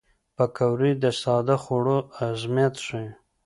پکورې د ساده خوړو عظمت ښيي